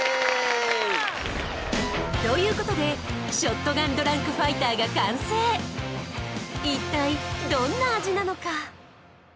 ということでショットガンドランクファイターが完成一体どんな味なのか？